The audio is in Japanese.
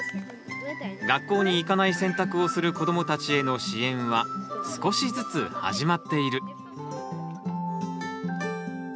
学校に行かない選択をする子どもたちへの支援は少しずつ始まっている。